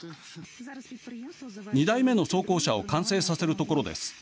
２台目の装甲車を完成させるところです。